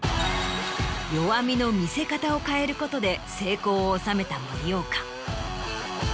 弱みの見せ方を変えることで成功を収めた森岡。